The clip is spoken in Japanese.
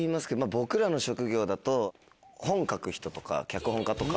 僕らの職業だと本書く人とか脚本家とか。